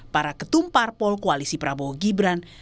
para ketumpar pol koalisi prabowo gibran